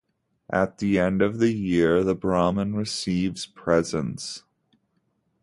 At the end of the year the Brahman receives presents.